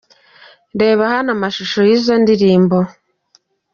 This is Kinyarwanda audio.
Reba hano amashusho y’izo ndirimbo :.